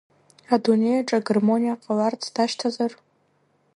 Адунеиаҿы агармониа ҟаларц дашьҭазар?